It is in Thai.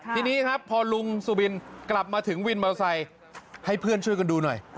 ทีนี้ครับพอลุงสุบินกลับมาถึงวินมอเตอร์ไซค์ให้เพื่อนช่วยกันดูหน่อย